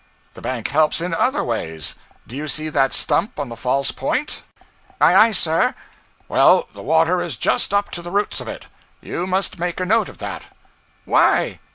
The bank helps in other ways. Do you see that stump on the false point?' 'Ay, ay, sir.' 'Well, the water is just up to the roots of it. You must make a note of that.' 'Why?'